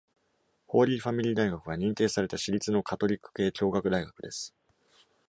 ホーリーファミリー大学は、認定された私立のカトリック系共学大学です。